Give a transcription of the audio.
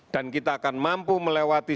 dan kita akan mampu melewati